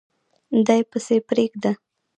دی پسي پریږده